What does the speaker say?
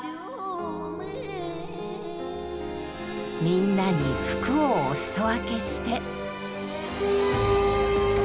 みんなに福をお裾分けして。